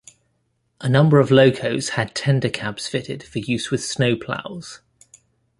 A number of locos had tender cabs fitted for use with snow ploughs.